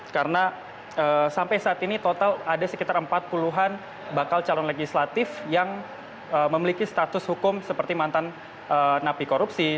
karena sampai saat ini total ada sekitar empat puluh an bakal calon legislatif yang memiliki status hukum seperti mantan napi korupsi